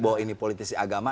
bahwa ini politisi agama